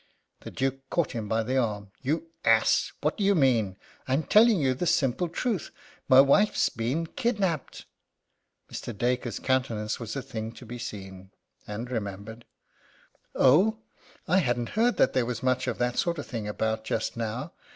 The Duke caught him by the arm. "You ass! What do you mean? I am telling you the simple truth. My wife's been kidnapped." Mr. Dacre's countenance was a thing to be seen and remembered. "Oh! I hadn't heard that there was much of that sort of thing about just now.